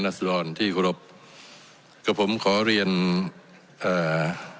นักสถิบันดีกว่าลอบก็ผมขอเรียนอ่า